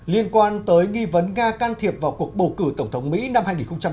liên quan tới nghi vấn nga can thiệp vào cuộc bầu cử tổng thống mỹ năm hai nghìn hai mươi